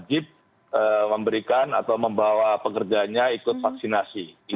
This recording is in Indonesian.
jadi mereka sudah mendapatkan atau membawa pekerjanya ikut vaksinasi